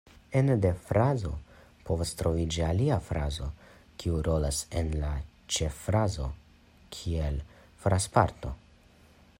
Ene de frazo povas troviĝi alia frazo, kiu rolas en la ĉeffrazo kiel frazparto.